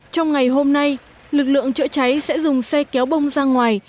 trong ngày hôm nay lực lượng chữa cháy sẽ dùng xe kéo bông ra ngoài